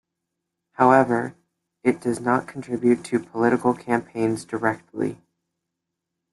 However, it does not contribute to political campaigns directly.